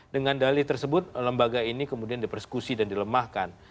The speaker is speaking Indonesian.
dengan dalih tersebut lembaga ini kemudian dipersekusi dan dilemahkan